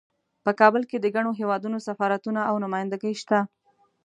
په کابل کې د ګڼو هیوادونو سفارتونه او نمایندګۍ شته